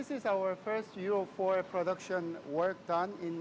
ini adalah proses produksi euro empat pertama kami